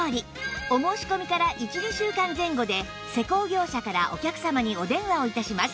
お申し込みから１２週間前後で施工業者からお客様にお電話を致します